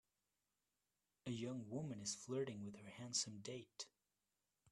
A young woman is flirting with her handsome date.